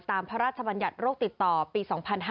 พระราชบัญญัติโรคติดต่อปี๒๕๕๙